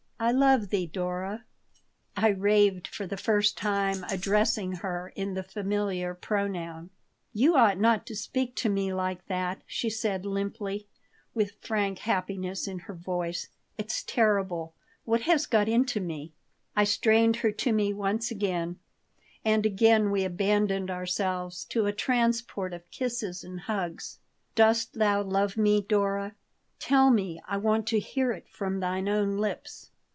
I love thee, Dora," I raved, for the first time addressing her in the familiar pronoun "You ought not to speak to me like that," she said, limply, with frank happiness in her voice. "It's terrible. What has got into me?" I strained her to me once again, and again we abandoned ourselves to a transport of kisses and hugs "Dost thou love me, Dora? Tell me. I want to hear it from thine own lips."